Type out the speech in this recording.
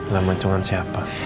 lah mancungan siapa